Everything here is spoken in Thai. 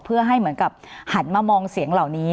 เพื่อให้เหมือนกับหันมามองเสียงเหล่านี้